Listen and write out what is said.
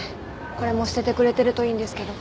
これも捨ててくれてるといいんですけど。